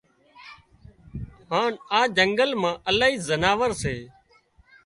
هانَ جنگل مان الاهي زناور سي